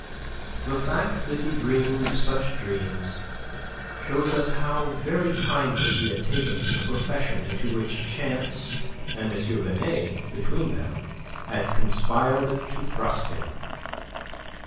The fact that he dreamed such dreams shows us how very kindly he had taken to the profession into which Chance and M. Binet between them had conspired to thrust him.